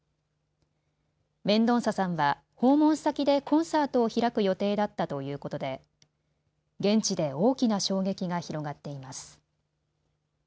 メンドンサさんは訪問先でコンサートを開く予定だったということで現地で大きな衝撃が広がっています。